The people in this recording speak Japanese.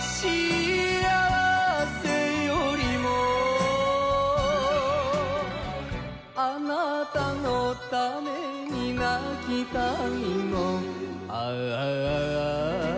倖せよりもあなたのために泣きたいのああ